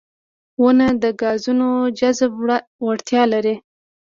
• ونه د ګازونو د جذب وړتیا لري.